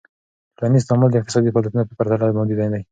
ټولنیز تعامل د اقتصادی فعالیتونو په پرتله مادي ندي.